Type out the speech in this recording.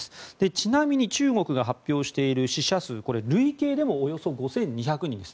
ちなみに中国が発表している死者数これは累計でもおよそ５２００人です